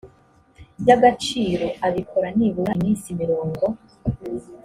y agaciro abikora nibura iminsi mirongo